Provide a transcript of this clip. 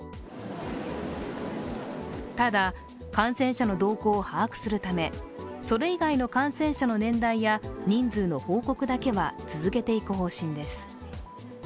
ただ、感染者の動向を把握するため、それ以外の感染者の年代や人数の報告だけは続けていく方針です。